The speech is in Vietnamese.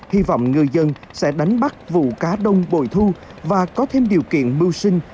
hy vọng người dân sẽ đánh bắt vụ cá đông bồi thu và có thêm điều kiện mưu sinh